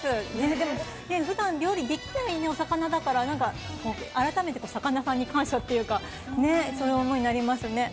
でもふだん、料理できないお魚だから、なんか改めてやっぱり魚さんに感謝っていうか、ねっ、そういう思いになりますね。